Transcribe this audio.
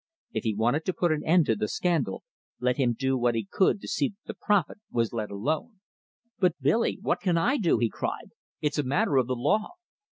If he wanted to put an end to the scandal, let him do what he could to see that the prophet was let alone. "But, Billy, what can I do?" he cried. "It's a matter of the law."